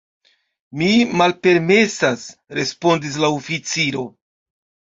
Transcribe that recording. “Mi malpermesas,” respondis la oficiro.